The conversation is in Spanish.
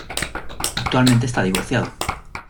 Actualmente está divorciado.